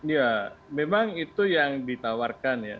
ya memang itu yang ditawarkan ya